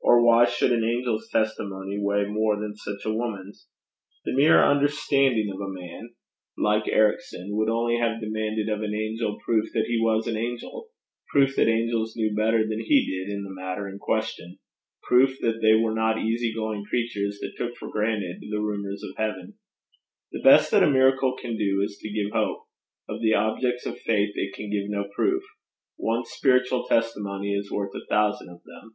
Or why should an angel's testimony weigh more than such a woman's? The mere understanding of a man like Ericson would only have demanded of an angel proof that he was an angel, proof that angels knew better than he did in the matter in question, proof that they were not easy going creatures that took for granted the rumours of heaven. The best that a miracle can do is to give hope; of the objects of faith it can give no proof; one spiritual testimony is worth a thousand of them.